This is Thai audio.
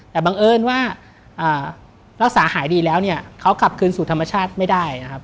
แต่บังเอิญว่ารักษาหายดีแล้วเนี่ยเขากลับคืนสู่ธรรมชาติไม่ได้นะครับ